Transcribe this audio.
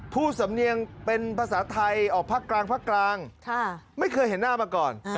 ผู้สำเนียงเป็นภาษาไทยออกภาคกลางภาคกลางไม่เคยเห็นหน้ามาก่อน